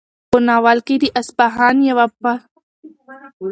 په ناول کې د اصفهان د یوه پله تصویرکشي شوې ده.